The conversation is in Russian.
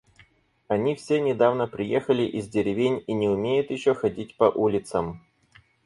Они все недавно приехали из деревень и не умеют еще ходить по улицам.